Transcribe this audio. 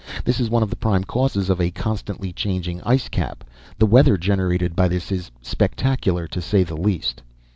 This is one of the prime causes of a constantly changing icecap. The weather generated by this is spectacular to say the least."